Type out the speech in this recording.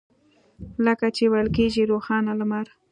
لکه چې ویل کېږي روښانه لمر.